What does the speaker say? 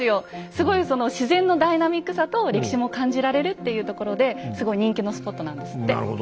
すごいその自然のダイナミックさと歴史も感じられるっていうところですごい人気のスポットなんですって。